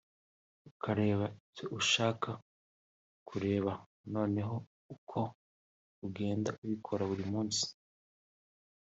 ukareba ibyo ushaka kureba noneho uko ugenda ubikora buri munsi